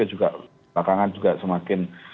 juga kebakangan juga semakin